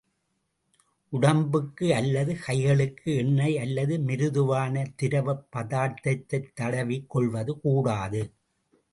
உடம்புக்கு அல்லது கைகளுக்கு எண்ணெய் அல்லது மிருதுவான திரவப் பதார்த்தத்தைத் தடவிக் கொள்வது கூடாது.